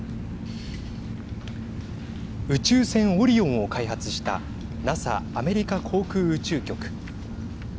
宇宙船オリオンを開発したＮＡＳＡ＝アメリカ航空宇宙局。